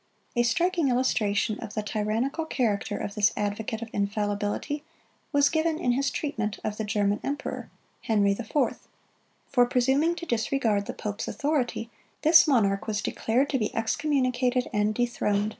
(90) A striking illustration of the tyrannical character of this advocate of infallibility was given in his treatment of the German emperor, Henry IV. For presuming to disregard the pope's authority, this monarch was declared to be excommunicated and dethroned.